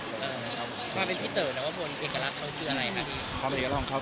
ถ้าเป็นพี่เต๋อเอกลักษณ์ของเขาคืออะไรครับ